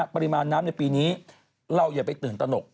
ปริมาณน้ำในปีนี้เราอย่าไปตื่นตนก